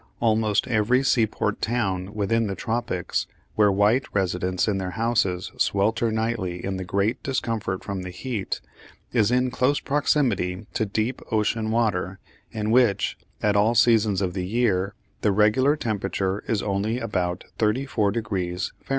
Almost every seaport town within the tropics where white residents in their houses swelter nightly in the greatest discomfort from the heat is in close proximity to deep ocean water, in which, at all seasons of the year, the regular temperature is only about thirty four degrees Fahr.